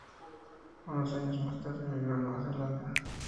Unos años más tarde emigró a Nueva Zelanda.